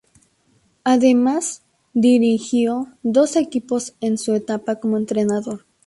Además, dirigió dos equipos en su etapa como entrenador.